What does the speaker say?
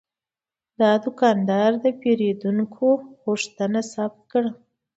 دا دوکاندار د پیرودونکي غوښتنه ثبت کړه.